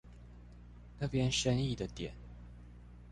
那邊生意的點